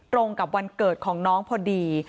ตรงกับวันเกิดของน้องพอดี